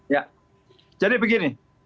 ya jadi begini